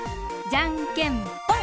じゃんけんぽん！